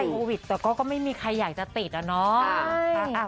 โควิดแต่ก็ไม่มีใครอยากจะติดอะเนาะ